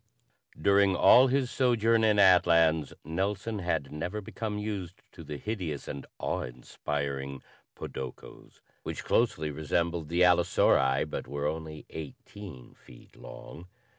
During all his sojourn in Atlans, Nelson had never become used to the hideous and awe inspiring podokos which closely resembled the allosauri but were only eighteen feet long.